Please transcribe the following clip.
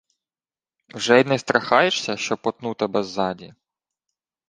— Вже й не страхаєшся, що потну тебе ззаді.